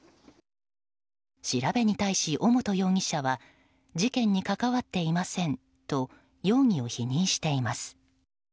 調べに対し、尾本容疑者は事件に関わっていませんと容疑を否認しています。